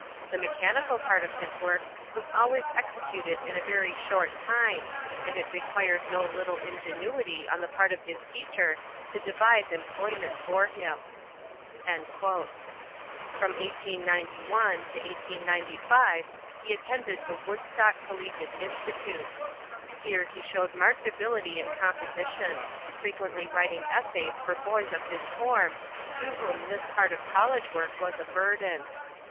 The mechanical part of his work was always executed in a very short time, and it required no little ingenuity on the part of his teacher to devise employment for him." From 1891 to 1895 he attended the Woodstock Collegiate Institute. Here he showed marked ability in composition, frequently writing essays for boys of his form, to whom this part of college work was a burden.